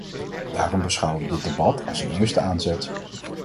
Daarom beschouwen we dit debat als een eerste aanzet.